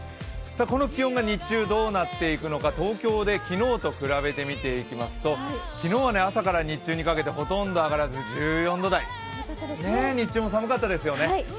この気温が日中どうなっていくのか東京で昨日と比べてみていきますと昨日は朝から日中にかけてほとんど上がらず１４度台、日中も寒かったですよね。